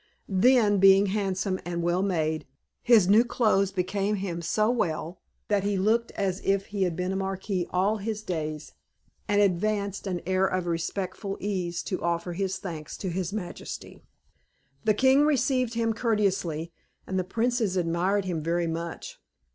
Then, being handsome and well made, his new clothes became him so well, that he looked as if he had been a marquis all his days, and advanced with an air of respectful ease to offer his thanks to his majesty. The king received him courteously, and the princess admired him very much.